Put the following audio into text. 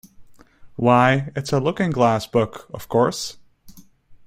Why, it’s a Looking-glass book, of course!